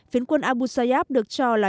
phiến quân abu sayyaf được cho là